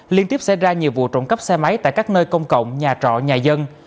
liên tiếp xảy ra nhiều vụ trộm cắp xe máy tại các nơi công cộng nhà trọ nhà dân